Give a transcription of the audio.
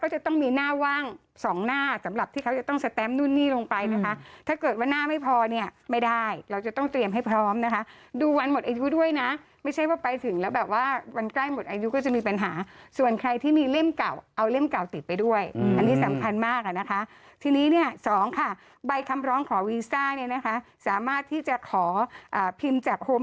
ค่ะค่ะค่ะค่ะค่ะค่ะค่ะค่ะค่ะค่ะค่ะค่ะค่ะค่ะค่ะค่ะค่ะค่ะค่ะค่ะค่ะค่ะค่ะค่ะค่ะค่ะค่ะค่ะค่ะค่ะค่ะค่ะค่ะค่ะค่ะค่ะค่ะค่ะค่ะค่ะค่ะค่ะค่ะค่ะค่ะค่ะค่ะค่ะค่ะค่ะค่ะค่ะค่ะค่ะค่ะค